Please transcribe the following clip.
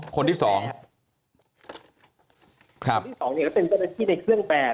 ก็เป็นเจ้าหน้าที่ในเครื่องแบบ